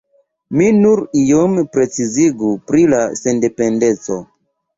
Mi nur iom precizigu pri la sendependeco.